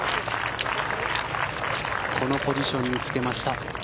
このポジションにつけました。